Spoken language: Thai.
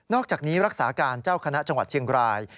อกจากนี้รักษาการเจ้าคณะจังหวัดเชียงราย